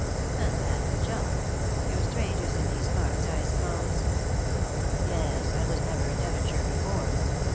" A bad job. You're strangers in these parts, I suppose? "" Yes; I was never in Devonshire before.